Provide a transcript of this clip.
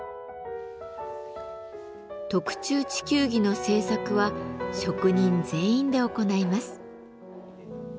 特注地球儀の制作は職人全員で行います。